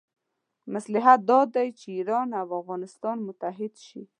مصلحت دا دی چې ایران او افغانستان متحد شي.